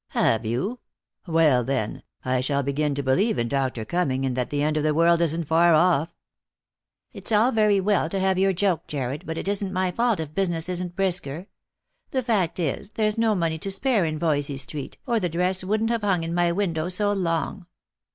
" Have you ? Why, then, I shall begin to believe in Dr. Cumming, and that the end of the world isn't far off" " It's all very well to have your joke, Jarred, but it isn't my fault if business isn't brisker. The fact is, there's no money to spare in Voysey street, or the dress wouldn't have hung in my window so long."